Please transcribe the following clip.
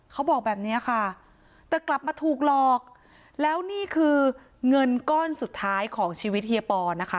เขาบอกแบบนี้ค่ะแต่กลับมาถูกหลอกแล้วนี่คือเงินก้อนสุดท้ายของชีวิตเฮียปอนะคะ